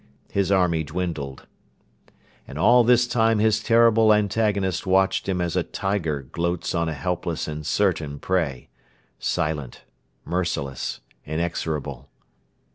His army dwindled. And all this time his terrible antagonist watched him as a tiger gloats on a helpless and certain prey silent, merciless, inexorable.